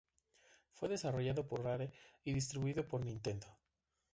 Fue desarrollado por Rare y distribuido por Nintendo.